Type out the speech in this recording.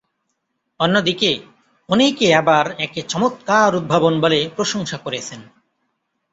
অন্যদিকে, অনেকে আবার একে চমৎকার উদ্ভাবন বলে প্রশংসা করেছেন।